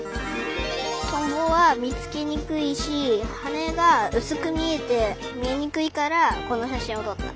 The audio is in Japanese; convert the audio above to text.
トンボはみつけにくいしはねがうすくみえてみえにくいからこのしゃしんをとった。